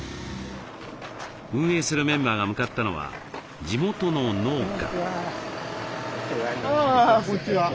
運営するメンバーが向かったのは地元の農家。